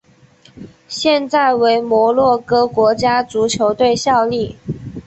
现在为摩洛哥国家足球队效力。